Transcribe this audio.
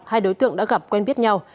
hai đối tượng đã gặp quen biết nhau